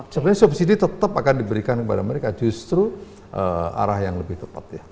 sebenarnya subsidi tetap akan diberikan kepada mereka justru arah yang lebih tepat ya